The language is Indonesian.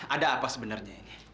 ada apa sebenarnya ini